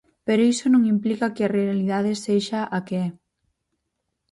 Pero iso non implica que a realidade sexa a que é.